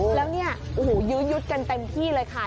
แล้วเนี่ยโอ้โหยื้อยุดกันเต็มที่เลยค่ะ